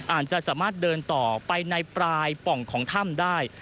อาจจะสามารถเดินต่อไปในปลายป่องของถ้ำได้